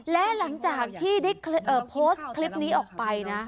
และหลังจากที่ได้โพสต์คลิปนี้ออกไปนะ